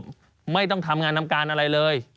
สนุนโดยหวานได้ทุกที่ที่มีพาเลส